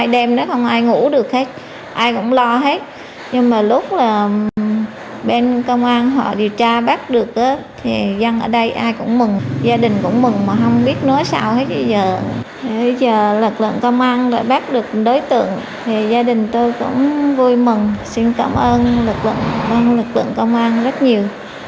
bây giờ lực lượng công an đã bác được đối tượng gia đình tôi cũng vui mừng xin cảm ơn lực lượng công an rất nhiều